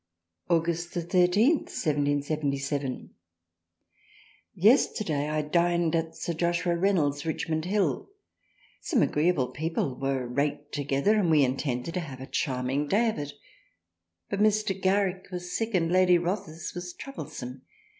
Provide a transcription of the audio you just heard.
August 13th 1777. Yesterday I dined at Sir Joshua Reynolds, Richmond Hill some agreeable People were raked together and we intended to have a charming day of it, but Mr. Garrick was sick and Lady Rothes was troublesome.